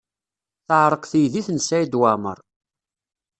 Teɛreq teydit n Saɛid Waɛmaṛ.